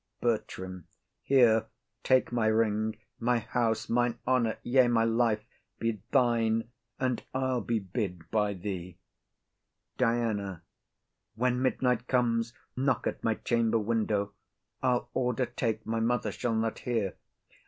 BERTRAM. Here, take my ring; My house, mine honour, yea, my life be thine, And I'll be bid by thee. DIANA. When midnight comes, knock at my chamber window; I'll order take my mother shall not hear.